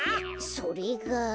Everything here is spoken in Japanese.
それが。